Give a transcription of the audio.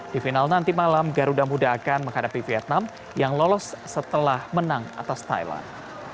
di final nanti malam garuda muda akan menghadapi vietnam yang lolos setelah menang atas thailand